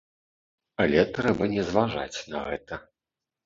Але трэба не зважаць на гэта.